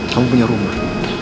kamu punya rumah